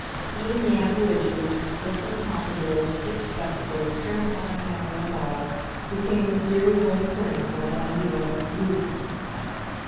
Even the aborigines, bristling pompadours, thick spectacles, terrifying manner, and all, became as dear as old friends, now that I knew I must lose them.